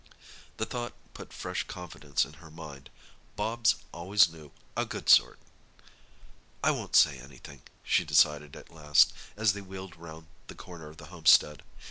The thought put fresh confidence in her mind; Bobs always knew "a good sort." "I won't say anything," she decided at last, as they wheeled round the corner of the homestead.